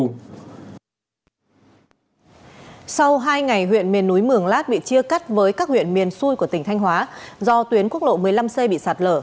sau hai ngày huyện miền núi mường lát bị chia cắt với các huyện miền xuôi của tỉnh thanh hóa do tuyến quốc lộ một mươi năm c bị sạt lở